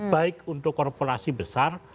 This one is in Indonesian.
baik untuk korporasi besar